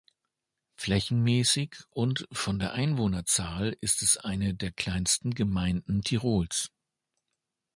Flächenmäßig und von der Einwohnerzahl ist es eine der kleinsten Gemeinden Tirols.